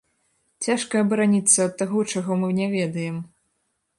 Цяжка абараніцца ад таго, чаго мы не ведаем.